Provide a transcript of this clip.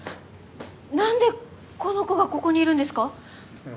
なんでこの子がここにいるんですか